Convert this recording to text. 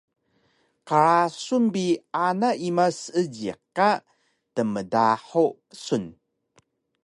Qrasun bi ana ima seejiq ka “tmdahu” ksun